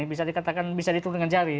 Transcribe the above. bisa dikatakan bisa diturunkan jari